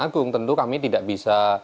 agung tentu kami tidak bisa